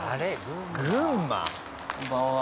こんばんは。